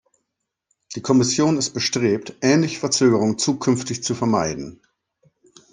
Die Kommission ist bestrebt, ähnliche Verzögerungen zukünftig zu vermeiden.